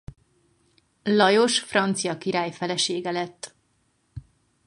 Lajos francia király felesége lett.